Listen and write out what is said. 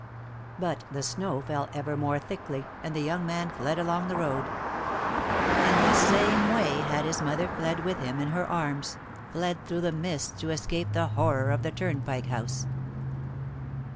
But the snow fell ever more thickly, and the young man fled along the road. In the same way had his mother fled with him in her arms, fled through the mists to escape the horror of the Turnpike House.